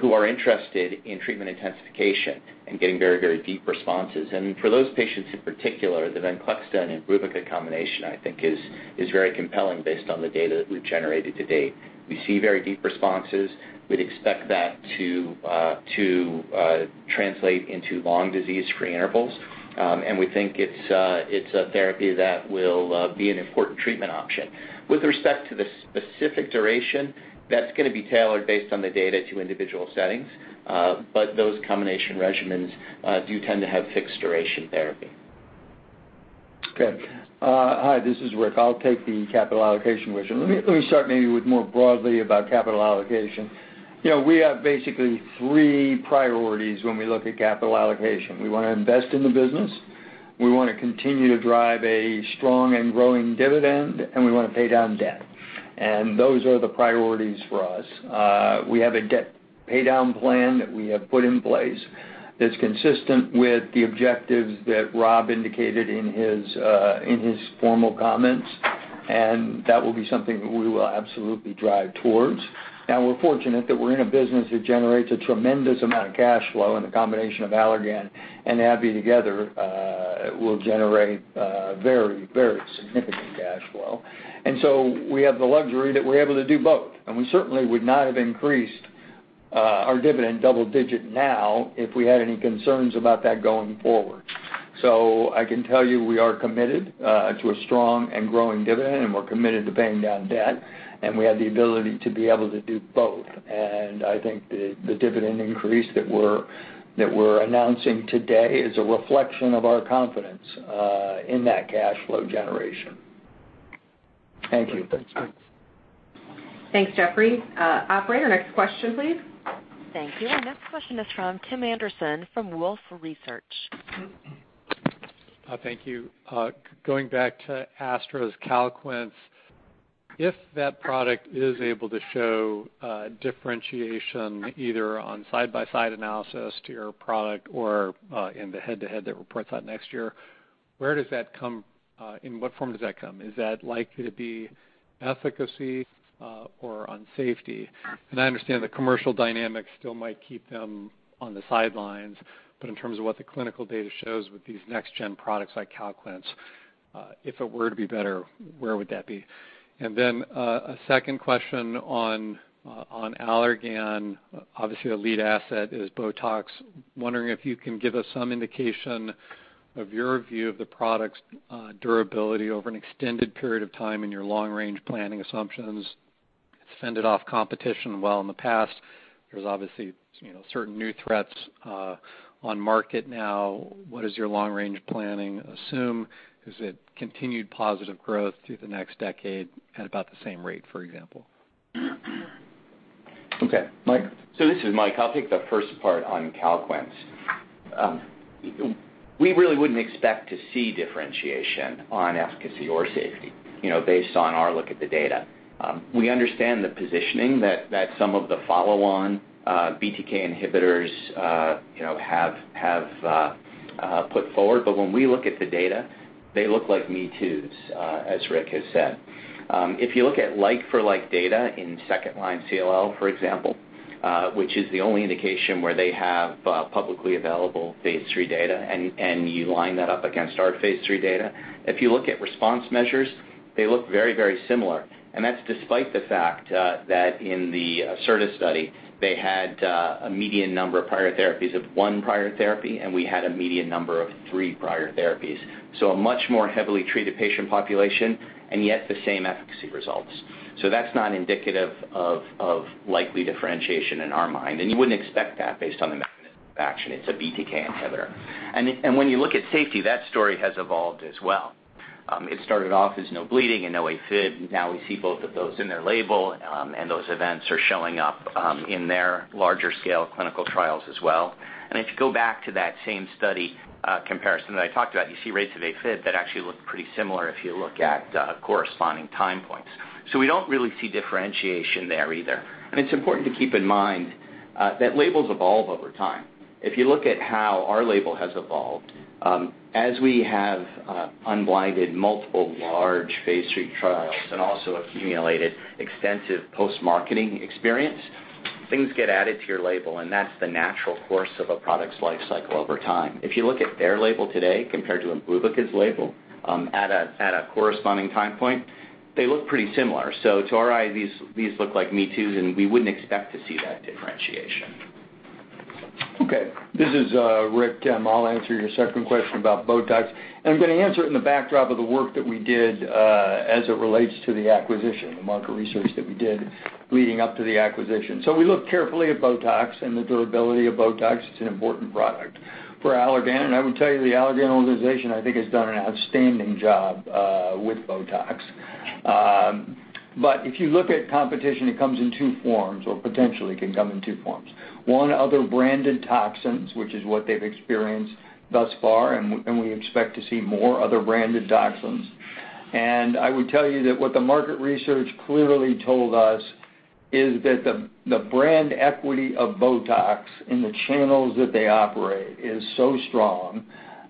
who are interested in treatment intensification and getting very deep responses. For those patients in particular, the VENCLEXTA and IMBRUVICA combination I think is very compelling based on the data that we've generated to date. We see very deep responses. We'd expect that to translate into long disease-free intervals, and we think it's a therapy that will be an important treatment option. With respect to the specific duration, that's going to be tailored based on the data to individual settings. Those combination regimens do tend to have fixed duration therapy. Okay. Hi, this is Rick. I'll take the capital allocation question. Let me start maybe with more broadly about capital allocation. We have basically three priorities when we look at capital allocation. We want to invest in the business, we want to continue to drive a strong and growing dividend, and we want to pay down debt. Those are the priorities for us. We have a debt paydown plan that we have put in place. That's consistent with the objectives that Rob indicated in his formal comments, and that will be something that we will absolutely drive towards. Now we're fortunate that we're in a business that generates a tremendous amount of cash flow, and the combination of Allergan and AbbVie together will generate very significant cash flow. We have the luxury that we're able to do both. We certainly would not have increased our dividend double digit now if we had any concerns about that going forward. I can tell you we are committed to a strong and growing dividend, and we're committed to paying down debt, and we have the ability to be able to do both. I think the dividend increase that we're announcing today is a reflection of our confidence in that cash flow generation. Thank you. Thanks, Geoffrey. Operator, next question, please. Thank you. Our next question is from Tim Anderson from Wolfe Research. Thank you. Going back to AstraZeneca's CALQUENCE, if that product is able to show differentiation either on side-by-side analysis to your product or in the head-to-head that reports out next year, in what form does that come? Is that likely to be efficacy or on safety? I understand the commercial dynamics still might keep them on the sidelines, but in terms of what the clinical data shows with these next-gen products like CALQUENCE, if it were to be better, where would that be? A second question on Allergan. Obviously, a lead asset is BOTOX. Wondering if you can give us some indication of your view of the product's durability over an extended period of time in your long-range planning assumptions. It's fended off competition well in the past. There's obviously certain new threats on market now. What does your long-range planning assume? Is it continued positive growth through the next decade at about the same rate, for example? Okay. Mike? This is Mike. I'll take the first part on CALQUENCE. We really wouldn't expect to see differentiation on efficacy or safety, based on our look at the data. We understand the positioning that some of the follow-on BTK inhibitors have put forward. When we look at the data, they look like me-toos, as Rick has said. If you look at like-for-like data in second line CLL, for example, which is the only indication where they have publicly available phase III data, and you line that up against our phase III data, if you look at response measures, they look very similar. That's despite the fact that in the ASCEND study, they had a median number of prior therapies of 1 prior therapy, and we had a median number of 3 prior therapies. A much more heavily treated patient population, and yet the same efficacy results. That's not indicative of likely differentiation in our mind. You wouldn't expect that based on the mechanism of action. It's a BTK inhibitor. When you look at safety, that story has evolved as well. It started off as no bleeding and no AFib. Now we see both of those in their label, and those events are showing up in their larger scale clinical trials as well. If you go back to that same study comparison that I talked about, you see rates of AFib that actually look pretty similar if you look at corresponding time points. We don't really see differentiation there either. It's important to keep in mind that labels evolve over time. If you look at how our label has evolved, as we have unblinded multiple large phase III trials and also accumulated extensive post-marketing experience, things get added to your label, and that's the natural course of a product's life cycle over time. If you look at their label today compared to ENBREL's label at a corresponding time point, they look pretty similar. To our eye, these look like me-toos, and we wouldn't expect to see that differentiation. Okay. This is Rick. Tim, I'll answer your second question about BOTOX, and I'm going to answer it in the backdrop of the work that we did as it relates to the acquisition, the market research that we did leading up to the acquisition. We looked carefully at BOTOX and the durability of BOTOX. It's an important product for Allergan, and I would tell you the Allergan organization, I think, has done an outstanding job with BOTOX. If you look at competition, it comes in two forms, or potentially can come in two forms. One, other branded toxins, which is what they've experienced thus far, and we expect to see more other branded toxins. I would tell you that what the market research clearly told us is that the brand equity of BOTOX in the channels that they operate is so strong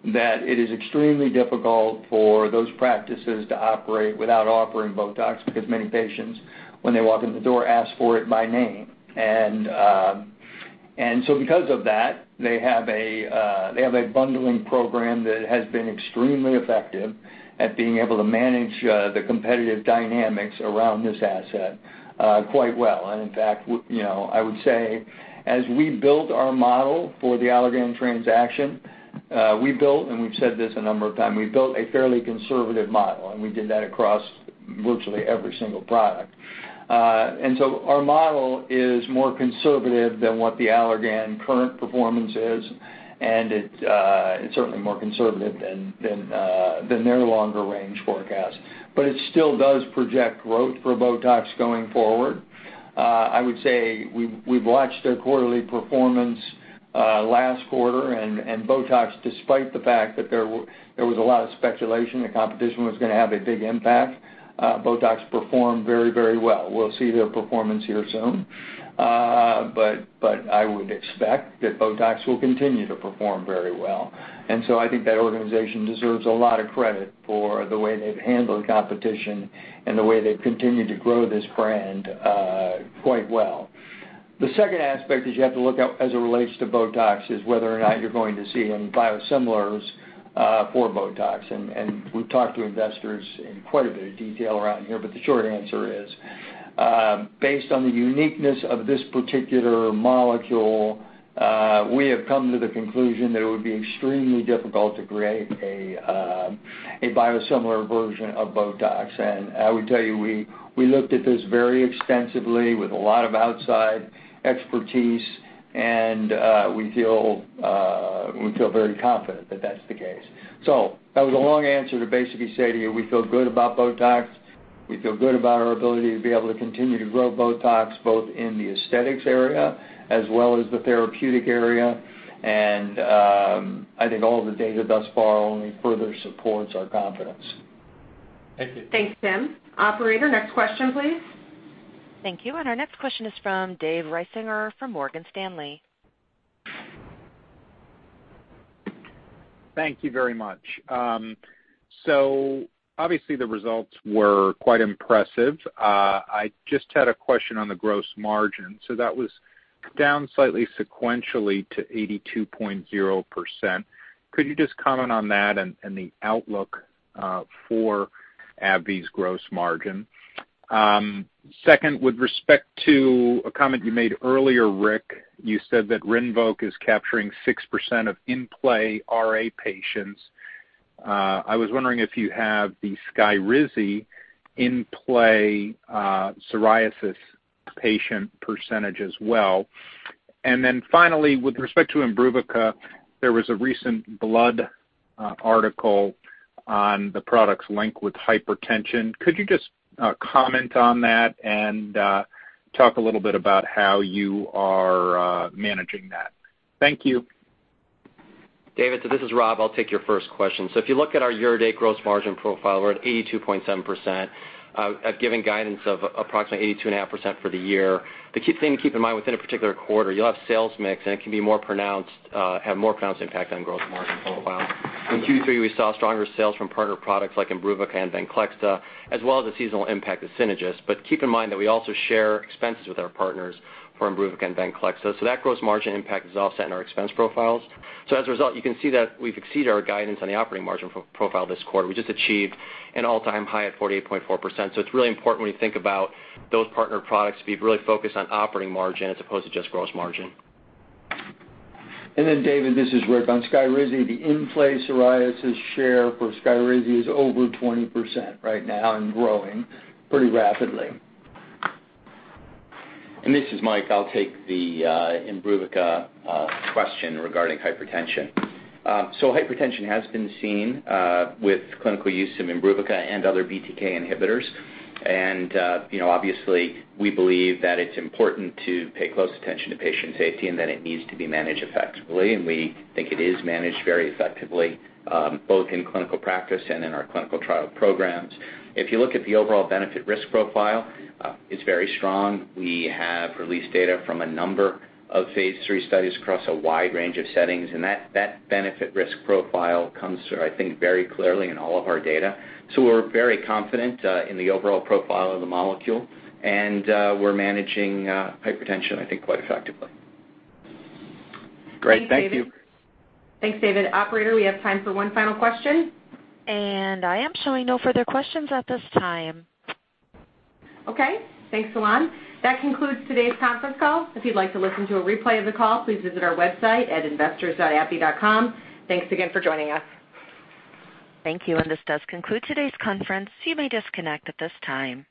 that it is extremely difficult for those practices to operate without offering BOTOX because many patients, when they walk in the door, ask for it by name. Because of that, they have a bundling program that has been extremely effective at being able to manage the competitive dynamics around this asset quite well. In fact, I would say as we built our model for the Allergan transaction, and we've said this a number of times, we built a fairly conservative model, and we did that across virtually every single product. Our model is more conservative than what the Allergan current performance is, and it's certainly more conservative than their longer range forecast. It still does project growth for BOTOX going forward. I would say we've watched their quarterly performance last quarter, and BOTOX, despite the fact that there was a lot of speculation that competition was going to have a big impact, BOTOX performed very well. We'll see their performance here soon. I would expect that BOTOX will continue to perform very well. I think that organization deserves a lot of credit for the way they've handled the competition and the way they've continued to grow this brand quite well. The second aspect is you have to look at, as it relates to BOTOX, is whether or not you're going to see any biosimilars for BOTOX. We've talked to investors in quite a bit of detail around here, but the short answer is, based on the uniqueness of this particular molecule, we have come to the conclusion that it would be extremely difficult to create a biosimilar version of BOTOX. I would tell you, we looked at this very extensively with a lot of outside expertise, and we feel very confident that that's the case. That was a long answer to basically say to you, we feel good about BOTOX. We feel good about our ability to be able to continue to grow BOTOX, both in the aesthetics area as well as the therapeutic area. I think all of the data thus far only further supports our confidence. Thank you. Thanks, Tim. Operator, next question, please. Thank you. Our next question is from David Risinger from Morgan Stanley. Thank you very much. Obviously, the results were quite impressive. I just had a question on the gross margin. That was down slightly sequentially to 82.0%. Could you just comment on that and the outlook for AbbVie's gross margin? Second, with respect to a comment you made earlier, Rick, you said that RINVOQ is capturing 6% of in-play RA patients. I was wondering if you have the SKYRIZI in play psoriasis patient percentage as well. Finally, with respect to IMBRUVICA, there was a recent blood article on the product's link with hypertension. Could you just comment on that and talk a little bit about how you are managing that? Thank you. David, this is Rob. I'll take your first question. If you look at our year-to-date gross margin profile, we're at 82.7%, giving guidance of approximately 82.5% for the year. The key thing to keep in mind within a particular quarter, you'll have sales mix, and it can have more pronounced impact on gross margin profile. In Q3, we saw stronger sales from partner products like IMBRUVICA and VENCLEXTA, as well as the seasonal impact of Synagis. Keep in mind that we also share expenses with our partners for IMBRUVICA and VENCLEXTA, so that gross margin impact is offset in our expense profiles. As a result, you can see that we've exceeded our guidance on the operating margin profile this quarter. We just achieved an all-time high of 48.4%. It's really important when you think about those partner products to be really focused on operating margin as opposed to just gross margin. David, this is Rick. On SKYRIZI, the in-play psoriasis share for SKYRIZI is over 20% right now and growing pretty rapidly. This is Mike. I'll take the IMBRUVICA question regarding hypertension. Hypertension has been seen with clinical use of IMBRUVICA and other BTK inhibitors. Obviously, we believe that it's important to pay close attention to patient safety and that it needs to be managed effectively, and we think it is managed very effectively, both in clinical practice and in our clinical trial programs. If you look at the overall benefit risk profile, it's very strong. We have released data from a number of phase III studies across a wide range of settings, and that benefit risk profile comes through, I think, very clearly in all of our data. We're very confident in the overall profile of the molecule, and we're managing hypertension, I think, quite effectively. Great. Thank you. Thanks, David. Operator, we have time for one final question. I am showing no further questions at this time. Okay. Thanks, Solan. That concludes today's conference call. If you'd like to listen to a replay of the call, please visit our website at investors.abbvie.com. Thanks again for joining us. Thank you, and this does conclude today's conference. You may disconnect at this time.